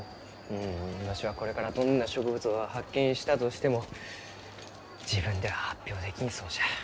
うんわしがこれからどんな植物を発見したとしても自分では発表できんそうじゃ。